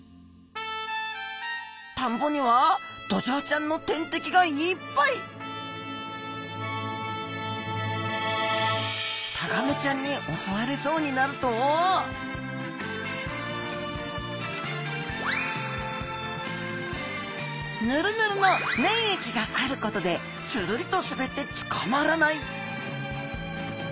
田んぼにはドジョウちゃんの天敵がいっぱいタガメちゃんに襲われそうになるとぬるぬるの粘液があることでつるりと滑って捕まらない！